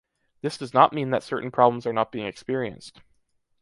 This does not mean that certain problems are not being experienced.